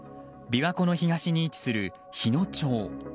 琵琶湖の東に位置する日野町。